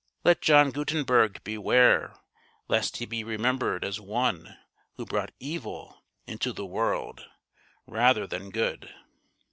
Let John Gutenberg beware lest he be remembered as one who brought evil into the world rather than good."